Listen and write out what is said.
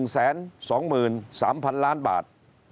๑แสน๒หมื่น๓พันล้านบาท